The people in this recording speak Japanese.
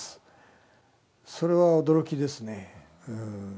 それは驚きですねうん。